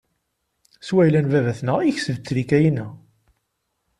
S wayla n baba-tneɣ i yekseb ttrika inna.